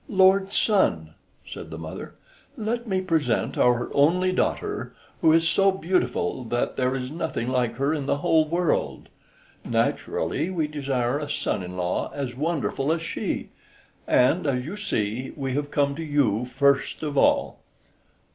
"Lord Sun," said the mother, "let me present our only daughter, who is so beautiful that there is nothing like her in the whole world. Naturally we desire a son in law as wonderful as she, and, as you see, we have come to you first of all."